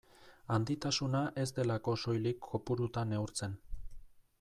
Handitasuna ez delako soilik kopurutan neurtzen.